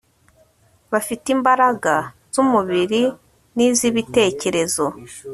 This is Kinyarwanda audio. bafite imbaraga z'umubiri n'iz'ibitekerezo